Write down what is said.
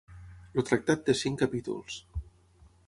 El tractat té cinc capítols.